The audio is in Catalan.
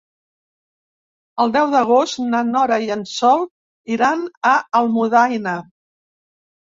El deu d'agost na Nora i en Sol iran a Almudaina.